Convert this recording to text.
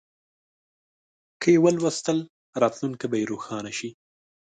که یې ولوستل، راتلونکی به روښانه شي.